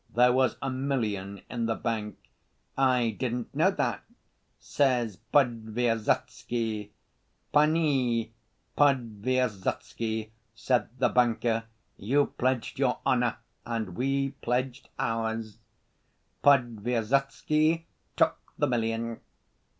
There was a million in the bank. 'I didn't know that,' says Podvysotsky. 'Panie Podvysotsky,' said the banker, 'you pledged your honor and we pledged ours.' Podvysotsky took the million."